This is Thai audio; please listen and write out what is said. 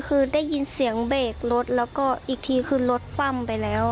อืมแล้วแล้ว